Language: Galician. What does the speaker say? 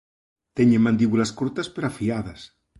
Teñen mandíbulas curtas pero afiadas.